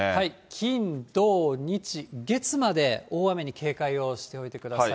金、土、日、月まで大雨に警戒をしておいてください。